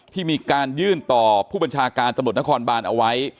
ที่มีการยื่นต่อผู้บัญชาการตำรวจนครบานเอาไว้